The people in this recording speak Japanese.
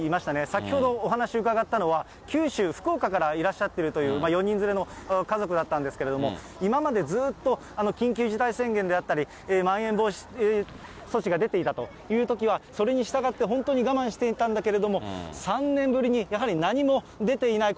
先ほどお話伺ったのは、九州・福岡からいらっしゃってるという、４人連れの家族だったんですけども、今までずーっと緊急事態宣言であったり、まん延防止措置が出ていたというときは、それに従って本当に我慢していたんだけれども、３年ぶりに、やはり何も出ていない